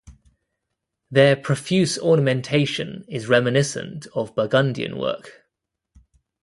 Their profuse ornamentation is reminiscent of Burgundian work.